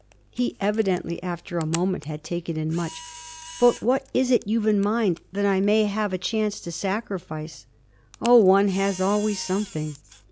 He evidently after a moment had taken in much. 'But what is it you've in mind that I may have a chance to sacrifice?' 'Oh one has always something.'